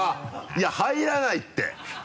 いや入らないって！